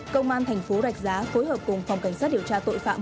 công an thành phố rạch giá phối hợp cùng phòng cảnh sát điều tra tội phạm